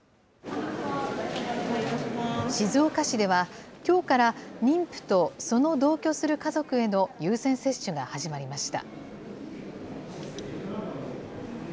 静岡市では、きょうから、妊婦とその同居する家族への優先接種が始まりました。